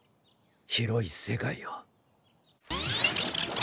広い世界を。